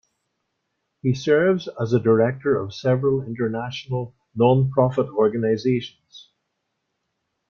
He serves as a Director of several international non-profit organizations.